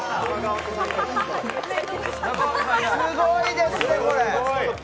すごいですね、これ。